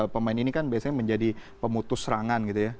pemain ini kan biasanya menjadi pemutus serangan gitu ya